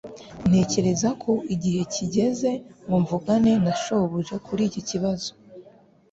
Ntekereza ko igihe kigeze ngo mvugane na shobuja kuri iki kibazo